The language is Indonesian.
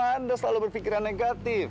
anda selalu berpikiran negatif